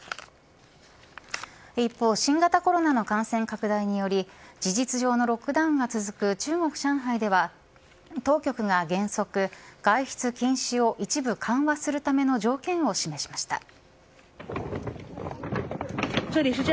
一方、新型コロナの感染拡大により事実上のロックダウンが続く中国、上海では当局が原則外出禁止を一部緩和するための条件を示しました。